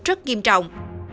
rất nghiêm trọng